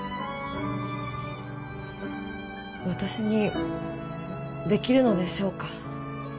私にできるのでしょうか。